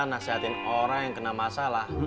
nasihatin orang yang kena masalah